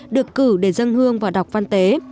được cử để dân hương và đọc văn tế